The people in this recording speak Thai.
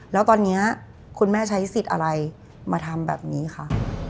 แล้วตอนนี้คุณแม่ใช้สิทธิ์อะไรมาทำแบบนี้ค่ะ